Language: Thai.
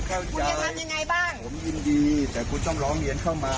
คุณจะทำยังไงบ้างผมยินดีแต่คุณต้องร้องเรียนเข้ามา